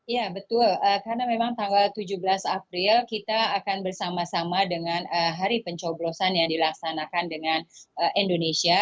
ya betul karena memang tanggal tujuh belas april kita akan bersama sama dengan hari pencoblosan yang dilaksanakan dengan indonesia